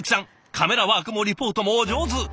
カメラワークもリポートもお上手！